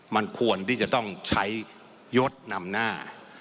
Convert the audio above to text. มันควรที่จะต้องใช้ยศนำหน้า